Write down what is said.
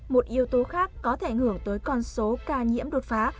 một yếu tố khác có thể ảnh hưởng tới con số ca nhiễm đột phá